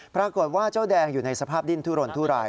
ปรากฏว่าเจ้าแดงอยู่ในสภาพดิ้นทุรนทุราย